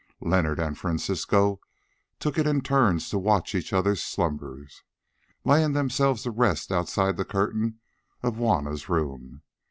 Leonard and Francisco took it in turns to watch each other's slumbers, laying themselves to rest outside the curtain of Juanna's room.